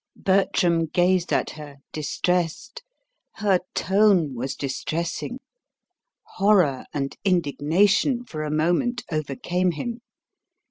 Bertram gazed at her, distressed. Her tone was distressing. Horror and indignation for a moment overcame him.